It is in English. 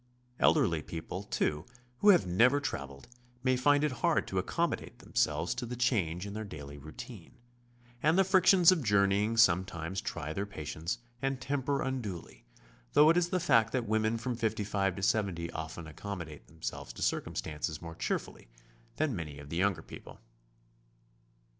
El derly people, too, who have never traveled, may find it hard to accommodate themselves to the change in their daily routine, and the frictions of journeying sometimes try their patience and temper undul}q though it is the fact that women from 55 to 70 often accommodate themselves to circum stances more cheerfully than many of the younger people.